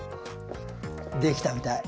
できたみたい。